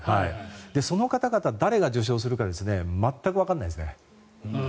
その方々誰が受賞するか全くわからないですね。